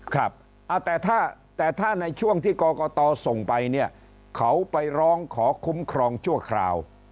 ครับแต่ถ้าในช่วงที่กรกตส่งไปเนี่ยเขาไปร้องขอคุ้มครองชั่วคราว